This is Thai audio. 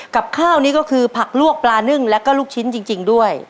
กับข้าวนี้ก็คือผักลวกปลานึ่งแล้วก็ลูกชิ้นจริงด้วย